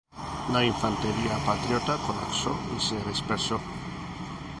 La infantería patriota colapso y se dispersó.